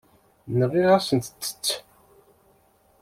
Nɣiɣ-asent-tt.